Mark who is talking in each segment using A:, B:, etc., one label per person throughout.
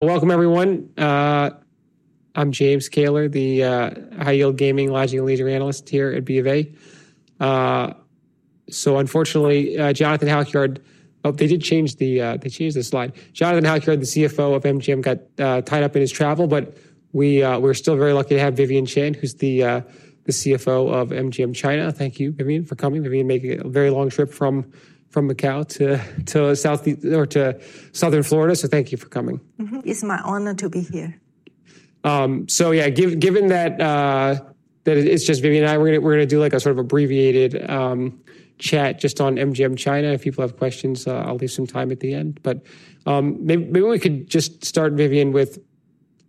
A: Welcome, everyone. I'm James Kayler, the High Yield Gaming, Lodging & Leisure Analyst here at BofA, so unfortunately, Jonathan Halkyard, oh, they changed the slide. Jonathan Halkyard, the CFO of MGM, got tied up in his travel, but we're still very lucky to have Vivian Chan, who's the CFO of MGM China. Thank you, Vivian, for coming. Vivian made a very long trip from Macau to southeast or southern Florida, so thank you for coming.
B: It's my honor to be here.
A: So yeah, given that it's just Vivian and I, we're gonna do like a sort of abbreviated chat just on MGM China. If people have questions, I'll leave some time at the end. But maybe we could just start, Vivian, with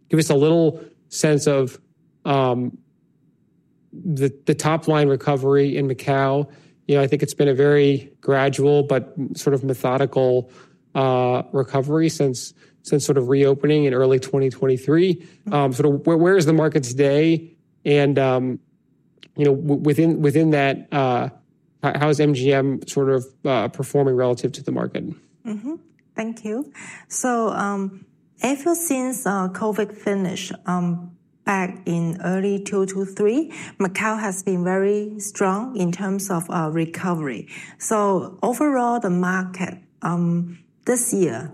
A: give us a little sense of the top line recovery in Macau. You know, I think it's been a very gradual but sort of methodical recovery since sort of reopening in early 2023. So where is the market today? And you know, within that, how is MGM sort of performing relative to the market?
B: Mm-hmm. Thank you. Ever since COVID finished back in early 2023, Macau has been very strong in terms of recovery. Overall, the market this year,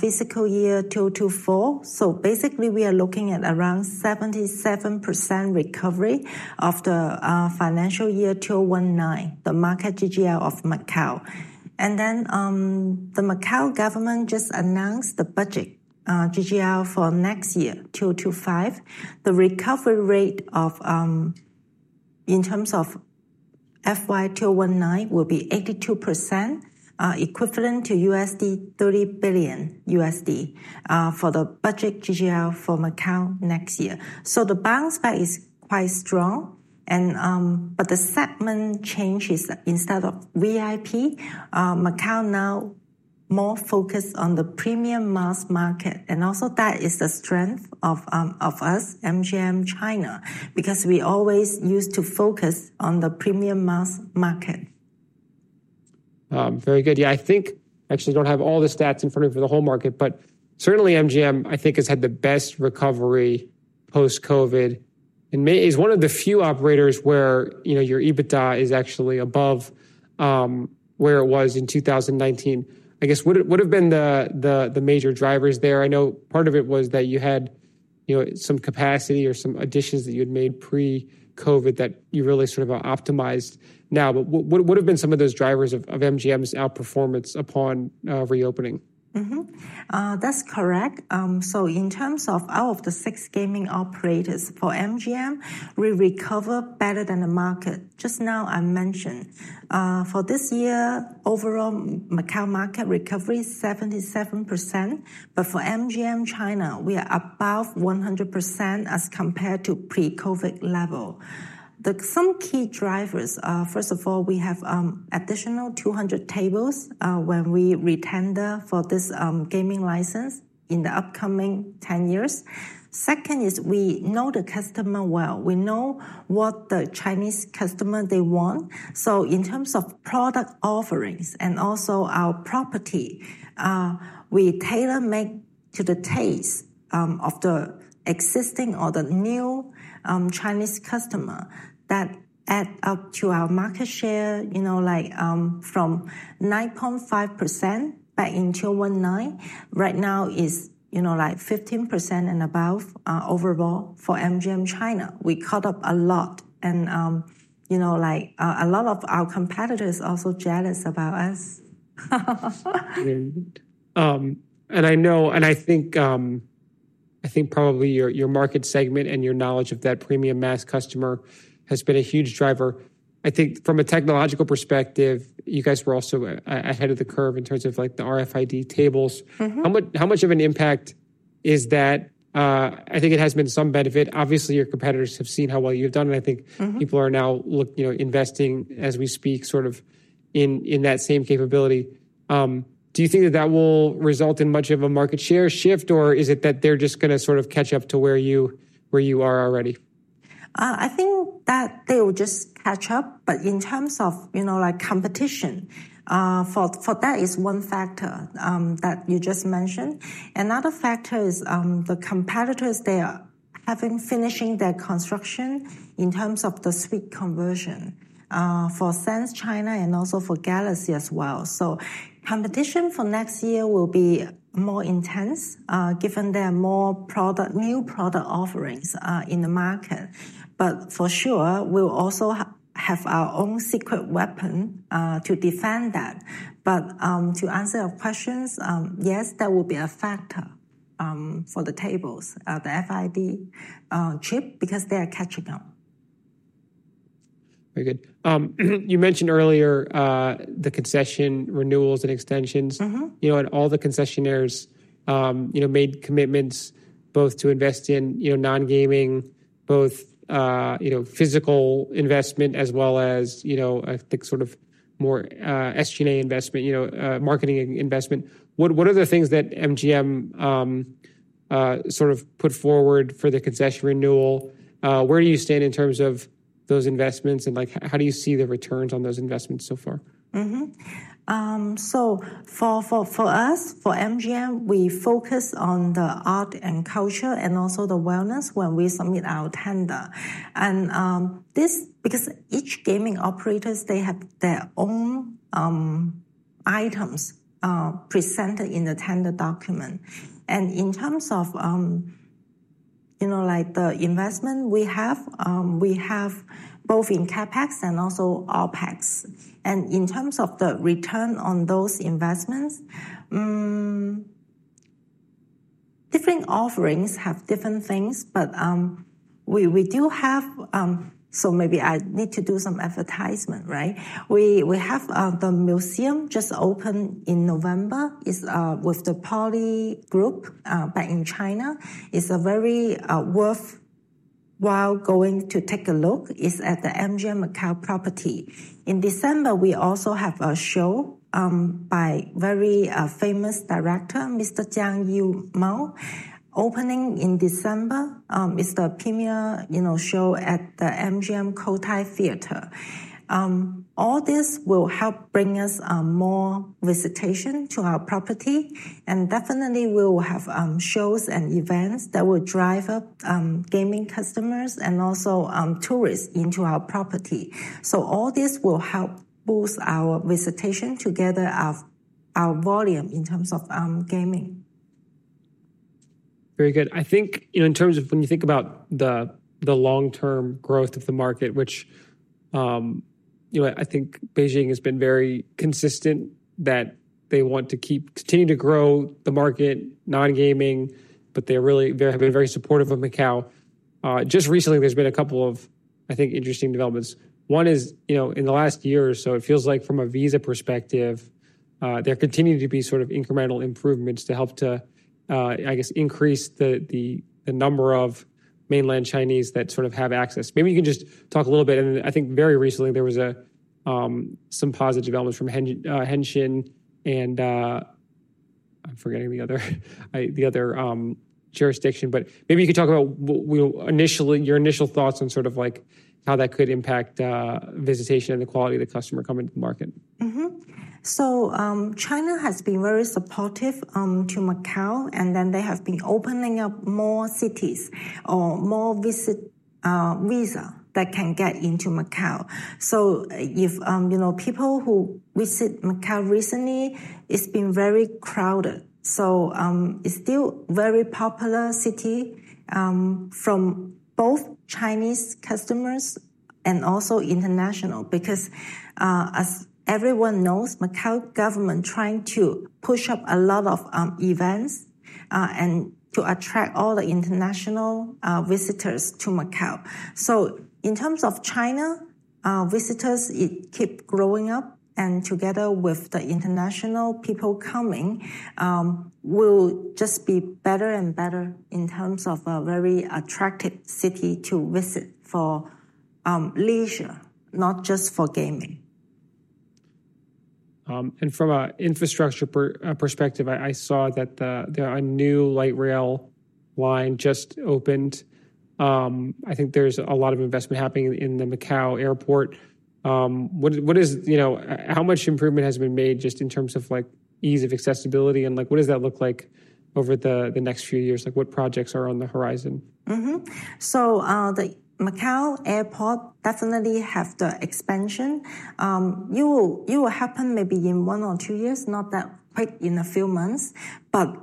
B: fiscal year 2024, so basically we are looking at around 77% recovery of the financial year 2019, the market GGR of Macau. Then, the Macau government just announced the budget GGR for next year, 2025. The recovery rate in terms of FY 2019 will be 82%, equivalent to $30 billion for the budget GGR for Macau next year. So the bounce back is quite strong. But the segment change is instead of VIP, Macau now more focused on the premium mass market. Also, that is the strength of us, MGM China, because we always used to focus on the premium mass market.
A: Very good. Yeah, I think, actually don't have all the stats in front of me for the whole market, but certainly MGM, I think, has had the best recovery post-COVID and MGM is one of the few operators where, you know, your EBITDA is actually above, where it was in 2019. I guess what would've been the major drivers there? I know part of it was that you had, you know, some capacity or some additions that you had made pre-COVID that you really sort of optimized now. But what have been some of those drivers of MGM's outperformance upon reopening?
B: Mm-hmm. That's correct. So in terms of all of the six gaming operators for MGM, we recovered better than the market. Just now I mentioned, for this year, overall Macau market recovery is 77%, but for MGM China, we are above 100% as compared to pre-COVID level. Some key drivers, first of all, we have additional 200 tables when we retender for this gaming license in the upcoming 10 years. Second is we know the customer well. We know what the Chinese customer they want. So in terms of product offerings and also our property, we tailor make to the taste of the existing or the new Chinese customer that add up to our market share, you know, like, from 9.5% back in 2019, right now is, you know, like 15% and above, overall for MGM China. We caught up a lot and, you know, like, a lot of our competitors also jealous about us.
A: and I know, I think probably your market segment and your knowledge of that premium mass customer has been a huge driver. I think from a technological perspective, you guys were also ahead of the curve in terms of like the RFID tables.
B: Mm-hmm.
A: How much, how much of an impact is that? I think it has been some benefit. Obviously, your competitors have seen how well you've done, and I think people are now look, you know, investing as we speak sort of in, in that same capability. Do you think that that will result in much of a market share shift, or is it that they're just gonna sort of catch up to where you, where you are already?
B: I think that they will just catch up, but in terms of, you know, like competition, for that is one factor that you just mentioned. Another factor is the competitors. They are finishing their construction in terms of the suite conversion for Sands China and also for Galaxy as well. So competition for next year will be more intense, given there are more new product offerings in the market. But for sure, we'll also have our own secret weapon to defend that. But to answer your questions, yes, that will be a factor for the tables, the RFID chip, because they are catching up.
A: Very good. You mentioned earlier the concession renewals and extensions.
B: Mm-hmm.
A: You know, and all the concessionaires, you know, made commitments both to invest in, you know, non-gaming, both, you know, physical investment as well as, you know, I think sort of more, SG&A investment, you know, marketing investment. What are the things that MGM, sort of put forward for the concession renewal? Where do you stand in terms of those investments and like, how do you see the returns on those investments so far?
B: Mm-hmm. For us, for MGM, we focus on the art and culture and also the wellness when we submit our tender. And this, because each gaming operators, they have their own items presented in the tender document. And in terms of, you know, like the investment we have, we have both in CapEx and also OpEx. And in terms of the return on those investments, different offerings have different things, but we do have, so maybe I need to do some advertisement, right? We have the museum just opened in November with the Poly Group back in China. It's very worthwhile going to take a look. It's at the MGM Macau property. In December, we also have a show by very famous director, Mr. Zhang Yimou, opening in December. It's the premiere, you know, show at the MGM Cotai Theater. All this will help bring us more visitation to our property, and definitely we will have shows and events that will drive up gaming customers and also tourists into our property, so all this will help boost our visitation to gather our volume in terms of gaming.
A: Very good. I think, you know, in terms of when you think about the long-term growth of the market, which, you know, I think Beijing has been very consistent that they want to keep, continue to grow the market, non-gaming, but they're really very supportive of Macau. Just recently there's been a couple of, I think, interesting developments. One is, you know, in the last year or so, it feels like from a visa perspective, there continue to be sort of incremental improvements to help to, I guess, increase the number of mainland Chinese that sort of have access. Maybe you can just talk a little bit. I think very recently there was some positive developments from Hengqin and I'm forgetting the other jurisdiction, but maybe you could talk about what your initial thoughts on sort of like how that could impact visitation and the quality of the customer coming to the market.
B: Mm-hmm. So, China has been very supportive to Macau, and then they have been opening up more cities or more visit visas that can get into Macau. So if you know, people who visit Macau recently, it's been very crowded. So, it's still a very popular city from both Chinese customers and also international, because as everyone knows, Macau government trying to push up a lot of events, and to attract all the international visitors to Macau. So in terms of Chinese visitors keep growing up, and together with the international people coming, will just be better and better in terms of a very attractive city to visit for leisure, not just for gaming.
A: From an infrastructure perspective, I saw that there is a new light rail line that just opened. I think there's a lot of investment happening in the Macau airport. What is, you know, how much improvement has been made just in terms of like ease of accessibility and like, what does that look like over the next few years? Like what projects are on the horizon?
B: Mm-hmm. So, the Macau airport definitely has the expansion. It will, it will happen maybe in one or two years, not that quick in a few months, but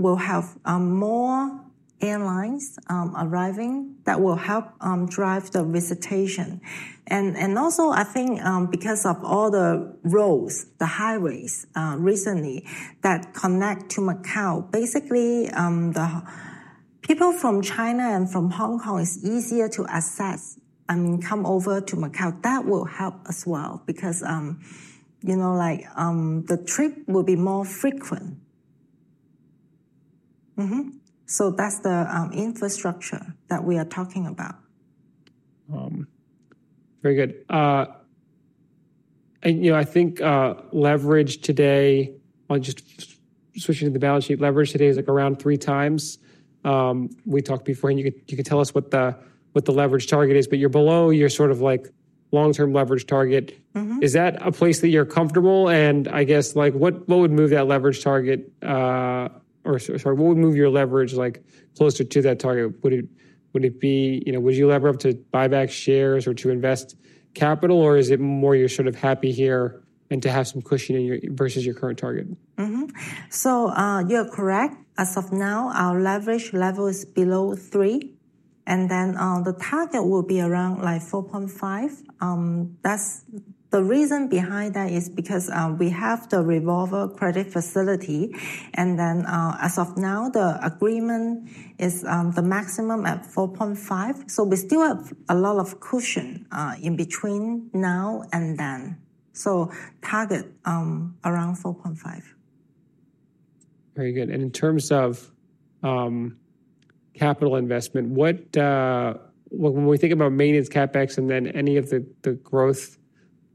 B: we'll have more airlines arriving that will help drive the visitation. And also I think, because of all the roads, the highways, recently that connect to Macau, basically, the people from China and from Hong Kong is easier to access, I mean, come over to Macau. That will help as well because, you know, like, the trip will be more frequent. Mm-hmm. So that's the infrastructure that we are talking about.
A: Very good, and you know, I think, leverage today, I'll just switch to the balance sheet, leverage today is like around three times. We talked beforehand, you could, you could tell us what the, what the leverage target is, but you're below your sort of like long-term leverage target.
B: Mm-hmm.
A: Is that a place that you're comfortable? And I guess like what, what would move that leverage target, or sorry, what would move your leverage like closer to that target? Would it, would it be, you know, would you lever up to buyback shares or to invest capital, or is it more you're sort of happy here and to have some cushion in your versus your current target?
B: Mm-hmm. You're correct. As of now, our leverage level is below three, and then the target will be around like 4.5. That's the reason behind that is because we have the revolver credit facility. And then, as of now, the agreement is the maximum at 4.5. We still have a lot of cushion in between now and then. Target around 4.5.
A: Very good. And in terms of capital investment, what, when we think about maintenance CapEx, and then any of the growth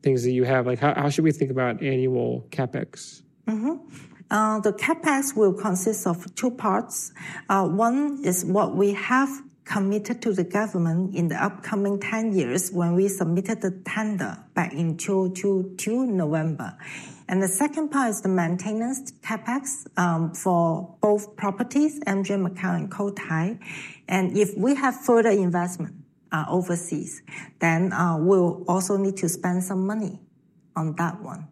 A: things that you have, like how should we think about annual CapEx?
B: Mm-hmm. The CapEx will consist of two parts. One is what we have committed to the government in the upcoming 10 years when we submitted the tender back in 2022 November. And the second part is the maintenance CapEx for both properties, MGM Macau and Cotai. And if we have further investment overseas, then we'll also need to spend some money on that one.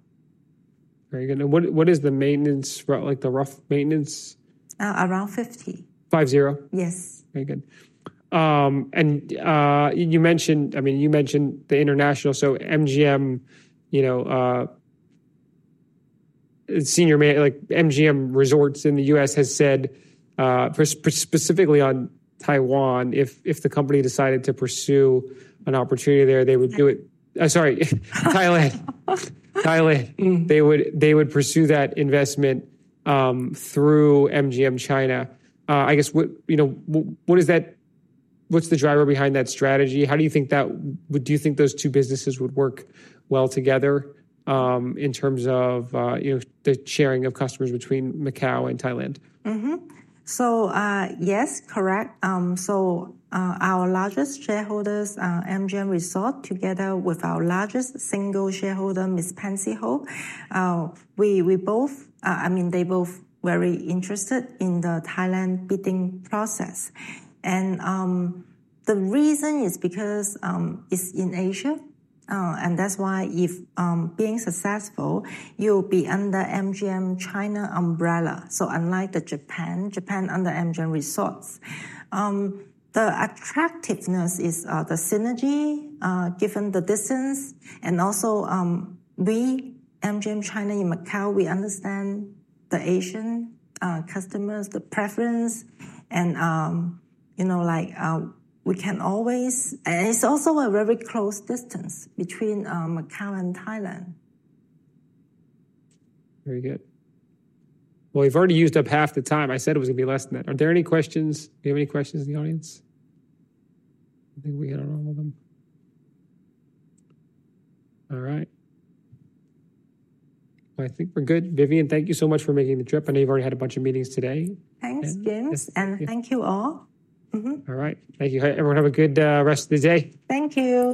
A: Very good. And what, what is the maintenance CapEx, like the rough maintenance?
B: around 50.
A: Five zero?
B: Yes.
A: Very good. And you mentioned, I mean, the international, so MGM, you know, senior management like MGM Resorts in the U.S. has said, specifically on Taiwan, if the company decided to pursue an opportunity there, they would do it. I'm sorry, Thailand. They would pursue that investment through MGM China. I guess, you know, what is that, what's the driver behind that strategy? How do you think that would, do you think those two businesses would work well together, in terms of, you know, the sharing of customers between Macau and Thailand?
B: Mm-hmm. So, yes, correct. So, our largest shareholders, MGM Resorts together with our largest single shareholder, Miss Pansy Ho, we, we both, I mean, they both very interested in the Thailand bidding process. And, the reason is because, it's in Asia, and that's why if, being successful, you'll be under MGM China umbrella. So unlike the Japan, Japan under MGM Resorts, the attractiveness is, the synergy, given the distance. And also, we, MGM China in Macau, we understand the Asian, customers, the preference, and, you know, like, we can always, and it's also a very close distance between, Macau and Thailand.
A: Very good. Well, we've already used up half the time. I said it was gonna be less than that. Are there any questions? Do you have any questions in the audience? I think we hit on all of them. All right. Well, I think we're good. Vivian, thank you so much for making the trip, and you've already had a bunch of meetings today.
B: Thanks, James, and thank you all. Mm-hmm.
A: All right. Thank you. Everyone have a good rest of the day.
B: Thank you.